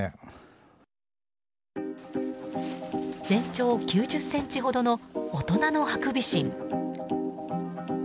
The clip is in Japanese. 全長９０ｃｍほどの大人のハクビシン。